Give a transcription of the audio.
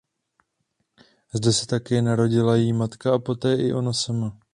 Zde se také narodila její matka a poté i ona sama.